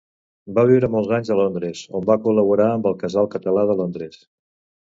Va viure molts anys a Londres, on va col·laborar amb el Casal Català de Londres.